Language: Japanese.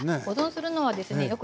保存するのはですね